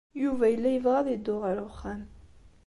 Yuba yella yebɣa ad yeddu ɣer uxxam.